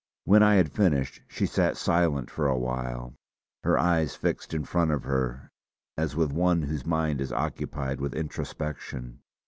When I had finished she sat silent for a while, her eyes fixed in front of her as with one whose mind is occupied with introspection.